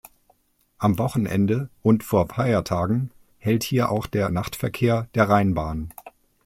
Am Wochenende und vor Feiertagen hält hier auch der Nachtverkehr der Rheinbahn.